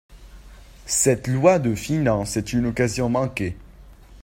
Cette loi de finances est une occasion manquée.